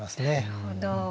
なるほど。